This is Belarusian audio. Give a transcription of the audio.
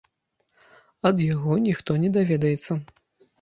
Ад яго ніхто не даведаецца.